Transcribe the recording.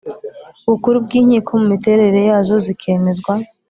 Bukuru bw inkiko mu miterere yazo zikemezwa